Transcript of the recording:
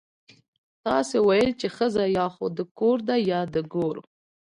تاسو ويل چې ښځه يا خو د کور ده يا د ګور.